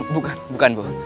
bukan bukan bu